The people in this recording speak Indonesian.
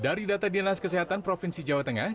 dari data dinas kesehatan provinsi jawa tengah